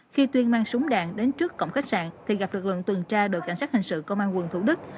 khi tuyên mang súng đạn đến trước cổng khách sạn thì gặp lực lượng tuần tra đội cảnh sát hình sự công an quận thủ đức